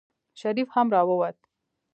شريف هم راووت.